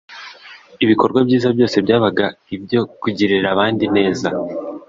Ibikorwa byiza byose byabaga ibyo kugirira abandi neza